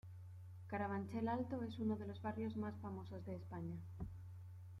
Carabanchel Alto es uno de los barrios más famosos de España.